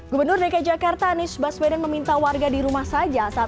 gubernur dki jakarta anies baswedan meminta warga di rumah saja